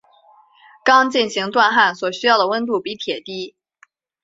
钢进行锻焊所需要的温度比铁低。